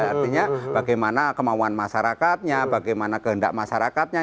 artinya bagaimana kemauan masyarakatnya bagaimana kehendak masyarakatnya